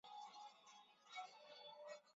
也是及荣休罗马圣教会总司库。